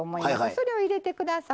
それを入れてください。